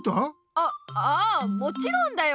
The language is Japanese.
あああもちろんだよ！